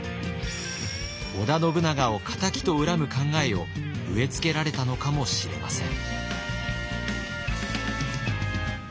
織田信長を仇と恨む考えを植え付けられたのかもしれません。